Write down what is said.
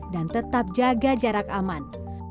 dan tetap jaga jarak aman